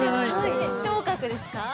◆聴覚ですか。